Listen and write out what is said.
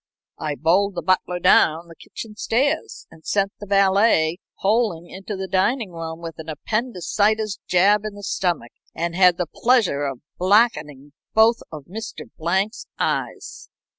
I bowled the butler down the kitchen stairs, and sent the valet howling into the dining room with an appendicitis jab in the stomach and had the pleasure of blacking both of Mr. Blank's eyes."